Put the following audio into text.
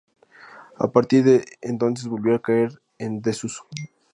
A partir de entonces volvió a caer en desuso.